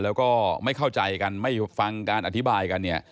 แล้วไม่เข้าใจกันไม่ฟังการอธิบายกัน